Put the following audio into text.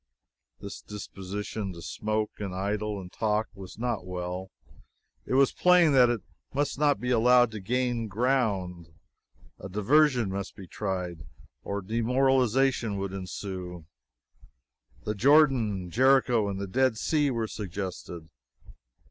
This disposition to smoke, and idle and talk, was not well. It was plain that it must not be allowed to gain ground. A diversion must be tried, or demoralization would ensue. The Jordan, Jericho and the Dead Sea were suggested.